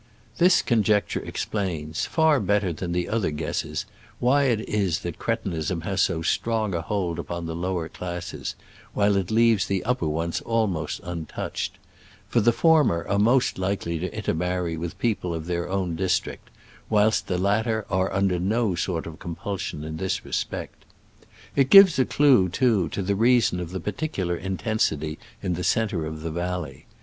This conjecture explains, far better than the other guesses, why it is that cretinism has so strong a hold upon the lower classes, while it leaves the upper ones almost untouched; for the former are most likely to intermarry with peo ple of their own district, whilst the latter are under no sort of compulsion in this respect. It gives a clue, too, to the rea son of the particular intensity in the centre of the valley.